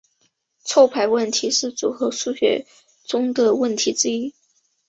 错排问题是组合数学中的问题之一。